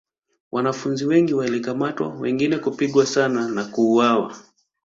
Wanafunzi wengi walikamatwa wengine kupigwa sana na kuuawa.